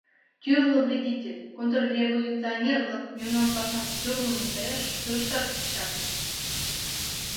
Тӱрлӧ вредитель, контрреволюционер-влак мемнан пашанам тӱрлын мутаяш, кӱрышташ тӧчат.